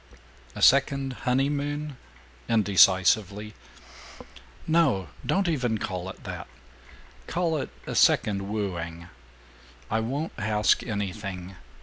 "A second honeymoon?" indecisively. "No. Don't even call it that. Call it a second wooing. I won't ask anything.